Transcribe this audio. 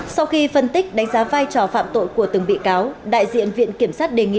sau khi phân tích đánh giá vai trò phạm tội của từng bị cáo đại diện viện kiểm sát đề nghị